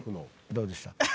どうでした？